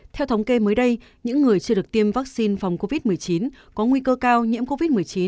theo thống kê mới đây những người chưa được tiêm vaccine phòng covid một mươi chín có nguy cơ cao nhiễm covid một mươi chín